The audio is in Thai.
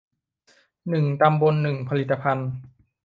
หนึ่งตำบลหนึ่งผลิตภัณฑ์